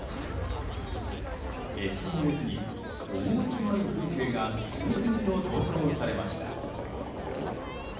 ＳＮＳに、趣のある風景が次々と投稿されました。